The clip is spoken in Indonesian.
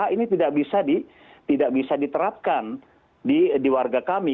ini tidak bisa diterapkan di warga kami